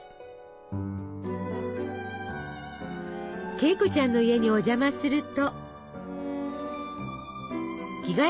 Ｋ子ちゃんの家にお邪魔すると。